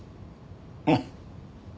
うん。